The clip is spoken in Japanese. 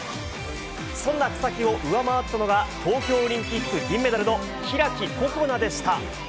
そんな草木を上回ったのが東京オリンピック銀メダルの開心那でした。